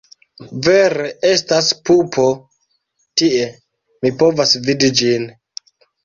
Vere estas pupo tie, mi povas vidi ĝin.